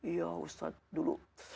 iya ustadz dulu